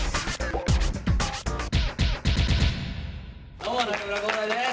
どうも中村浩大です。